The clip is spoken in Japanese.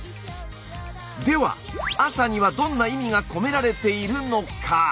では「朝」にはどんな意味が込められているのか？